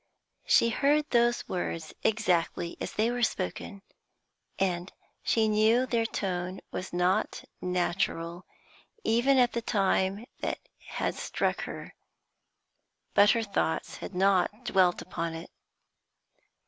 She heard those words exactly as they were spoken, and she knew their tone was not natural; even at the time that had struck her, but her thought had not dwelt upon it.